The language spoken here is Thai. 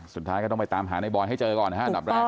สุดท้ายก็ต้องไปตามหาในบอลให้เจอก่อนนะครับ